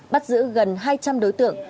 bắt giữ gần hai trăm linh đối tượng